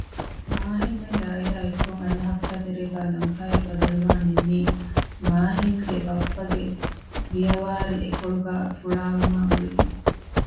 މާހިންމެންގެ އާއިލާ އެއްކޮށް އަންނަ ހަފްތާތެރޭގައި ލަންކާއަށް ބަދަލުވާން ނިންމީ މާހިންގެ ބައްޕަގެ ވިޔަވާރި އެކޮޅުގައި ފުޅާވުމާ ގުޅިގެން